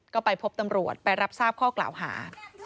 ก็ไปพบตำรวจไปรับทราบข้อกล่าวหา